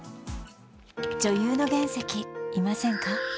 女優の原石、いませんか？